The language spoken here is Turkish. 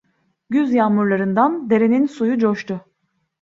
Güz yağmurlarından derenin suyu coştu.